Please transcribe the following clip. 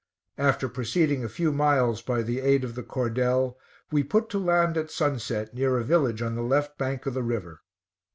After proceeding a few miles by the aid of the cordel, we put to land at sunset, near a village on the left bank of the river.